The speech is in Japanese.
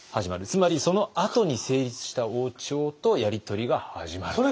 つまりそのあとに成立した王朝とやり取りが始まると。